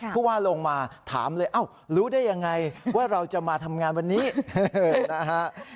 ผู้ว่าลงมาถามเลยเอ้ารู้ได้ยังไงว่าเราจะมาทำงานวันนี้นะฮะ